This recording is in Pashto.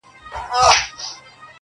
o ته خو له هري ښيښې وځې و ښيښې ته ورځې.